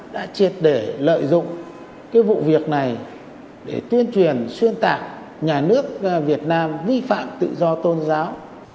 đảng nhà nước việt nam vi phạm tự do tôn giáo